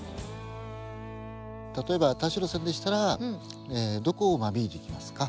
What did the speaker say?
例えば田代さんでしたらどこを間引いていきますか？